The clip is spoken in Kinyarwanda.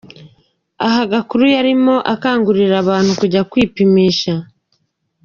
Aha Gakuru yarimo akangurira abantu kujya kwipimisha.